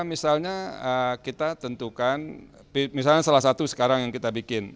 misalnya kita tentukan misalnya salah satu sekarang yang kita bikin